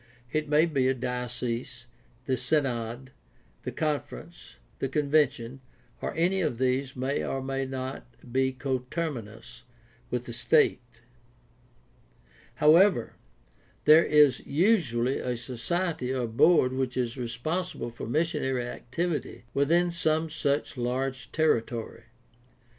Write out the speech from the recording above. It may be the diocese, the synod, the conference, the convention, and any of these may or may not be coterminous with the state. However, there is usually a society or board which is responsible for missionary activity within some such large territory.